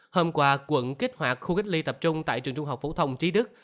hôm qua quận kích hoạt khu cách ly tập trung tại trường trung học phổ thông trí đức